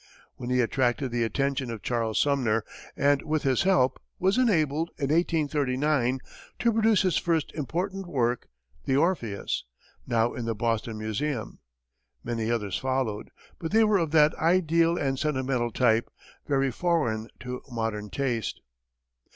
Then he attracted the attention of Charles Sumner, and with his help, was enabled, in 1839, to produce his first important work, the "Orpheus," now in the Boston Museum. Many others followed, but they were of that ideal and sentimental type, very foreign to modern taste.